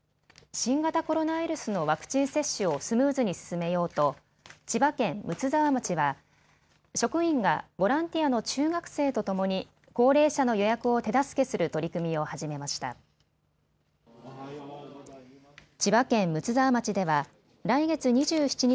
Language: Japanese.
新型コロナウイルスのワクチン接種をスムーズに進めようと千葉県睦沢町は職員がボランティアの中学生とともに高齢者の予約を手助けする取り組みを始めました。